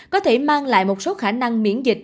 có thể mang lại một số khả năng miễn dịch